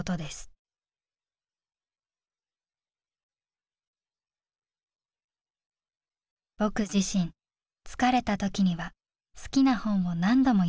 「僕自身疲れた時には好きな本を何度も読むタイプです」。